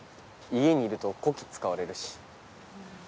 家にいるとこき使われるし。